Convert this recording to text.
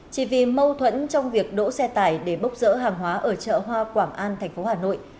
chỉ vì mâu thuẫn trong việc đỗ xe tải để bốc rỡ hàng hóa ở chợ hoa quảng an tp hà nội